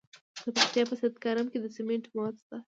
د پکتیا په سید کرم کې د سمنټو مواد شته.